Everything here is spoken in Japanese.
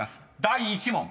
第１問］